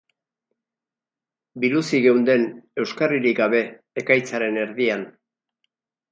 Biluzik geunden, euskarririk gabe, ekaitzaren erdian.